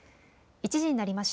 １時になりました。